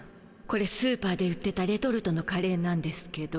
これスーパーで売ってたレトルトのカレーなんですけど。